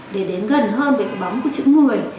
để đến gần hơn với cái bóng của chữ người